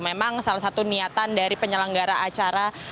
memang salah satu niatan dari penyelenggara acara